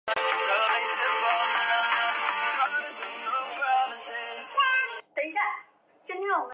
国民革命军第三军由王均任军长。